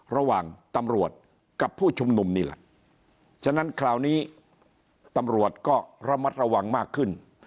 ระหว่างตำรวจกับผู้ชุมนุมนี่แหละฉะนั้นคราวนี้ตำรวจก็ระมัดระวังมากขึ้น